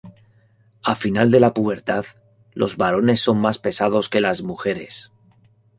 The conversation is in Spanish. Al final de la pubertad, los varones son más pesados que las mujeres.